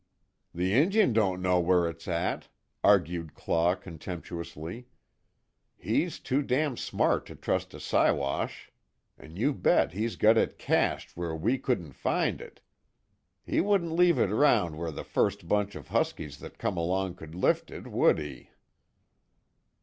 "The Injun don't know where it's at," argued Claw contemptuously, "He's too damn smart to trust a Siwash. An' you bet he's got it cached where we couldn't find it. He wouldn't leave it round where the first bunch of Huskies that come along could lift it, would he?"